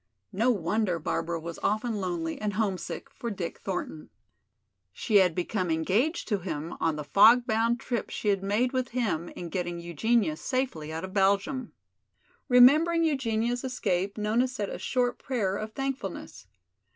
No wonder Barbara was often lonely and homesick for Dick Thornton. She had become engaged to him on the fog bound trip she had made with him in getting Eugenia safely out of Belgium. Remembering Eugenia's escape, Nona said a short prayer of thankfulness.